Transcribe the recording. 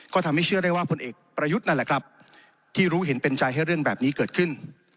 ก็ทำให้เชื่อได้ว่าผลเอกประยุทธ์นั่นแหละครับที่รู้เห็นเป็นใจให้เรื่องแบบนี้เกิดขึ้น